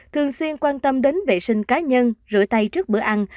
thường xuyên quan tâm đến vệ sinh cá nhân rửa tay trước bữa ăn